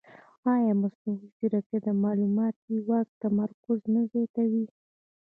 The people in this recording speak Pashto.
ایا مصنوعي ځیرکتیا د معلوماتي واک تمرکز نه زیاتوي؟